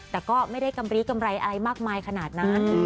แต่ก็ไม่ได้กำลีกำไรอะไรมากมายขนาดนั้น